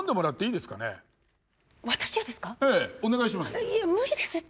いや無理ですって。